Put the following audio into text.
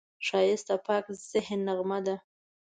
ښایست د پاک ذهن نغمه ده